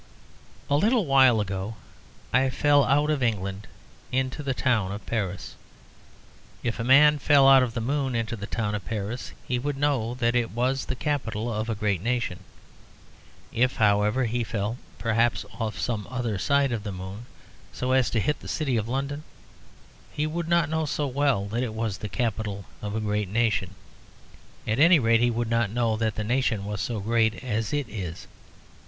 A little while ago I fell out of England into the town of Paris. If a man fell out of the moon into the town of Paris he would know that it was the capital of a great nation. If, however, he fell (perhaps off some other side of the moon) so as to hit the city of London, he would not know so well that it was the capital of a great nation; at any rate, he would not know that the nation was so great as it is.